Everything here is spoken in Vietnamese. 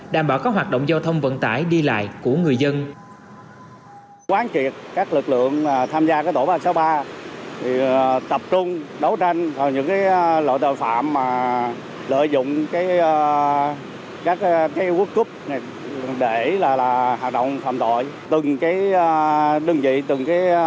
đảm bảo các hoạt động giao thông vận tải đi lại của người dân